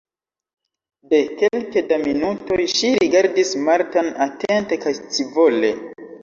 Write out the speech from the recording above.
De kelke da minutoj ŝi rigardis Martan atente kaj scivole.